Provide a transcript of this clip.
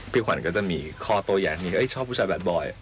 พี่ขวัญก็จะมีคอโตใหญ่ชอบผู้ชายแบดบอย